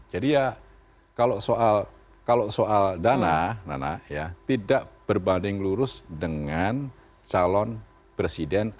jadi ya kalau soal dana tidak berbanding lurus dengan calon presiden